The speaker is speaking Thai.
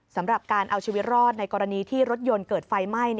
สำหรับการเอาชีวิตรอดในกรณีที่รถยนต์เกิดไฟไหม้